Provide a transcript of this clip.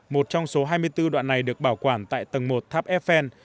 một trong số hai mươi bốn đoạn này được bảo quản tại tầng một tháp eiffel